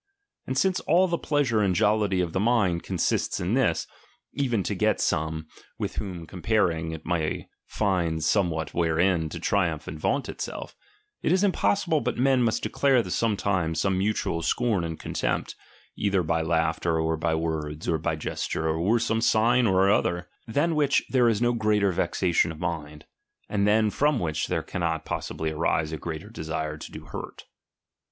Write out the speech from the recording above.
And since all the pleasure and jollity of the mind consists in this, even to get some, with whom comparing, it may find somewhat wherein to triumph and vaunt itself; it is impossi ble but men must declare sometimes some mutual scorn and contempt, either by laughter, or by words, or by gesture, or some sign or other ; than which there is no greater vexation of mind, and than from which there cannot possibly arise a greater desire to do hurt.